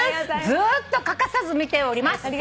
ずっと欠かさず見ております」